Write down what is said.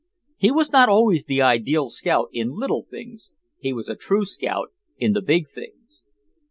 He was not always the ideal scout in little things. He was a true scout in the big things.